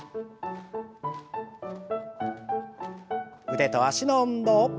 腕と脚の運動。